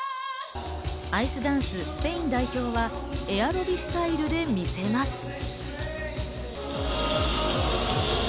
アイスダンス、スペイン代表はエアロビスタイルで見せます。